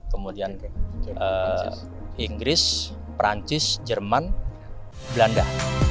kemudian inggris perancis jerman belanda